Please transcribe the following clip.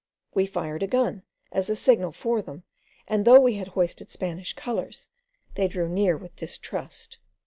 We fired a gun as a signal for them, and though we had hoisted Spanish colours, they drew near with distrust.